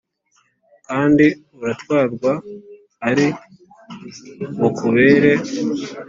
kandi uratwarwa, ari bukubere